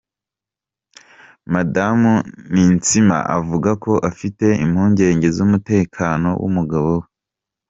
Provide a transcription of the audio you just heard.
Madamu Ninsiima avuga ko afite impungenge z'umutekano w'umugabo we.